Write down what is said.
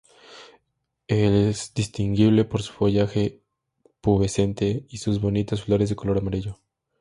Es distinguible por su follaje pubescente y sus bonitas flores de color amarillo.